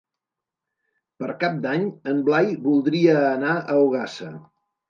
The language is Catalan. Per Cap d'Any en Blai voldria anar a Ogassa.